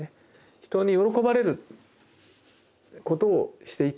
人に喜ばれることをしていたっていう。